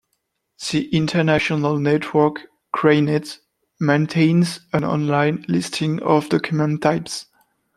The international network GreyNet maintains an online listing of document types.